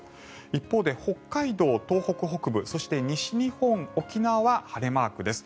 一方で、北海道、東北北部そして西日本、沖縄は晴れマークです。